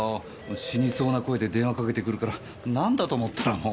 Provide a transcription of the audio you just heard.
死にそうな声で電話かけてくるから何だと思ったらもう。